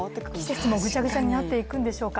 季節もぐちゃぐちゃになっていくんでしょうか